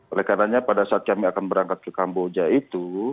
oleh karena pada saat kami akan berangkat ke kamboja itu